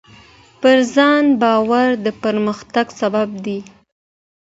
پر ځان باور د پرمختګ سبب دی.